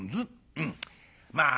「うんまあ